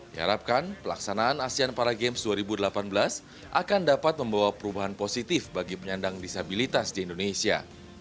diharapkan pelaksanaan asean para games dua ribu delapan belas akan dapat membawa perubahan positif bagi penyandang disabilitas di indonesia